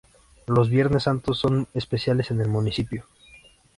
Los Viernes Santo son especiales en el municipio.